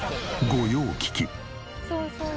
御用聞き。